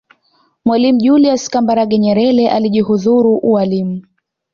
mwalimu julius kambarage nyerere alijihudhuru ualimu